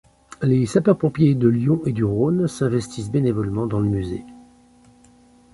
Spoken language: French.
Les sapeurs – pompiers de Lyon et du Rhône s’investissent bénévolement dans le musée.